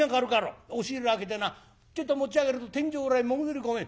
押し入れ開けてなちょっと持ち上げると天井裏へ潜り込める。